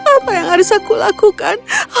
apa yang harus aku lakukan